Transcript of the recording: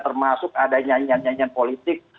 termasuk ada nyanyian nyanyian politik